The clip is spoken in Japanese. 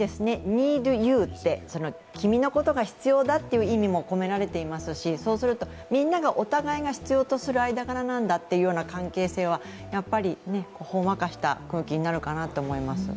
ＮＥＥＤＵって、君のことが必要だという意味も込められていますしみんながお互いが必要とする間柄なんだという関係性はほんわかした空気になるかなと思います。